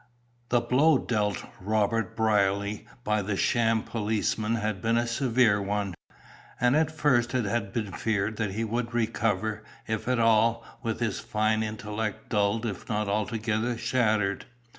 The blow dealt Robert Brierly by the sham policeman had been a severe one, and at first it had been feared that he would recover, if at all, with his fine intellect dulled if not altogether shattered.